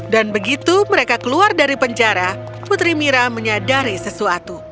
dan begitu mereka keluar dari penjara putri mira menyadari sesuatu